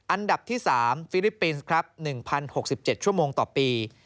อันดับที่๓ฟิลิปปินส์ครับ๑๐๖๗ชั่วโมงต่อปี